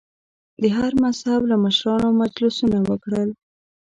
د هر مذهب له مشرانو مجلسونه وکړل.